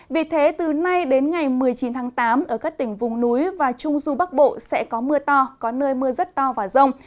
vì thế từ nay đến ngày một mươi chín tháng tám ở các tỉnh vùng núi và trung du bắc bộ sẽ có mưa to có nơi mưa rất to và rông